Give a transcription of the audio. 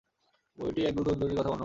বইটি একদল তরুণ-তরুণী কথা বর্ণনা করে।